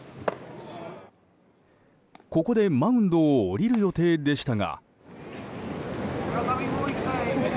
ここでマウンドを降りる予定でしたが。